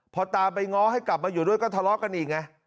พอตามไปง้อให้กลับมาอยู่ด้วยก็ทะเลาะกันอีกไง